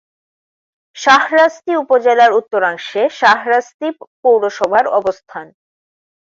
শাহরাস্তি উপজেলার উত্তরাংশে শাহরাস্তি পৌরসভার অবস্থান।